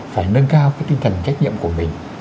phải nâng cao cái tinh thần trách nhiệm của mình